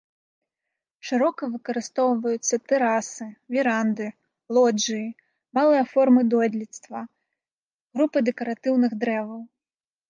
Шырока выкарыстоўваюцца тэрасы, веранды, лоджыі, малыя формы дойлідства, групы дэкаратыўных дрэваў.